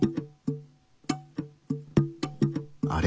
あれ？